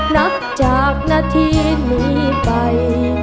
นับจากนาทีนี้ไป